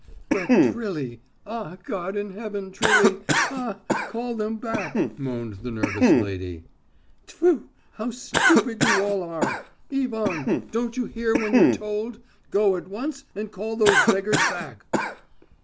"But, Trilly!... Ah, God in heaven, Trilly; ah, call them back!" moaned the nervous lady. "Tfu, how stupid you all are!... Ivan, don't you hear when you're told? Go at once and call those beggars back!..."